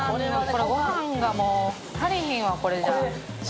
ご飯が、足りひんやん、これじゃ。